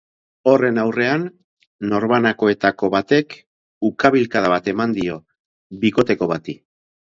Horren aurrean, norbanakoetako batek ukabilkada bat eman dio bikoteko bati.